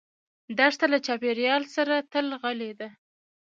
دښته له چاپېریال سره تل غلي ده.